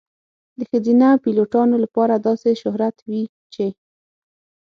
د ښځینه پیلوټانو لپاره داسې شهرت وي چې .